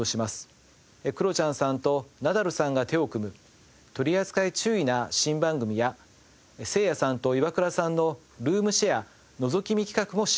クロちゃんさんとナダルさんが手を組む取り扱い注意な新番組やせいやさんとイワクラさんのルームシェアのぞき見企画も始動。